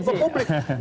menurut saya sih